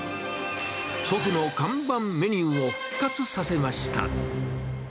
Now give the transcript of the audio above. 祖父の看板メニューを復活させました。